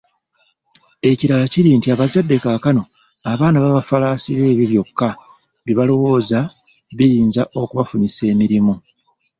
Ekirala kiri nti abazadde kaakano abaana babafalaasira ebyo byokka bye balowooza biyinza okubafunyisa emirimu,